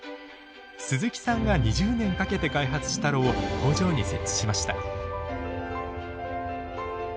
鈴木さんが２０年かけて開発した炉を工場に設置しました。